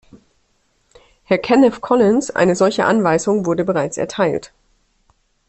Herr Kenneth Collins, eine solche Anweisung wurde bereits erteilt.